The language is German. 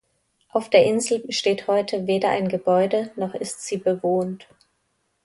Auf der Insel steht heute weder ein Gebäude noch ist sie bewohnt.